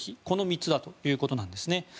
この３つだということです。